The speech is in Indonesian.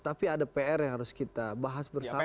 tapi ada pr yang harus kita bahas bersama